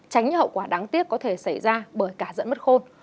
tránh những hậu quả đáng tiếc có thể xảy ra bởi cả dẫn mất khôn